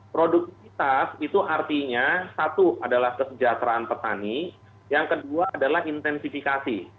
produktivitas itu artinya satu adalah kesejahteraan petani yang kedua adalah intensifikasi